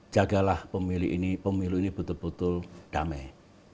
jagalah pemilih ini pemilu ini betul betul damai